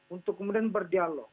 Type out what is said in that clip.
untuk kemudian berdialog